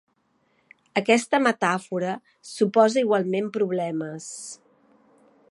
Aquesta metàfora suposa igualment problemes.